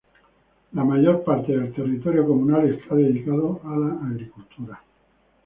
La mayor parte del territorio comunal está dedicada a la agricultura.